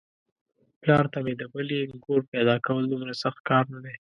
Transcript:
پلار ته مې د بلې نږور پيداکول دومره سخت کار نه دی.